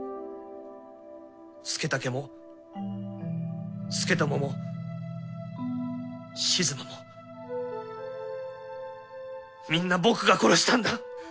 佐武も佐智も静馬もみんな僕が殺したんだ。